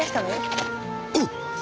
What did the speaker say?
おう！